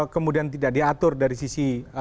kemudian tidak diatur dari sisi